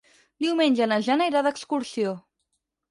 Diumenge na Jana irà d'excursió.